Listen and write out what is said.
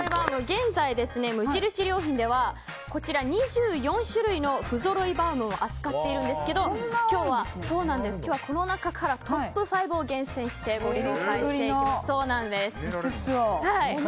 現在、無印良品では２４種類の不揃いバウムを扱っているんですが今日はこの中からトップ５を厳選してご紹介していきます。